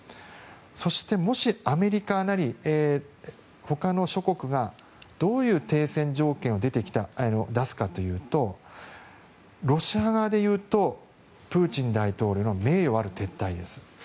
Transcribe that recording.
そして、もしアメリカなりほかの諸国がどういう停戦条件を出すかというとロシア側でいうとプーチン大統領の名誉ある撤退です。